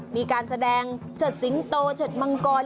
มีการแสดงเชิดสิงโตเฉิดมังกร